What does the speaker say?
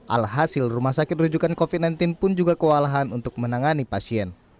alhasil rumah sakit rujukan covid sembilan belas pun juga kewalahan untuk menangani pasien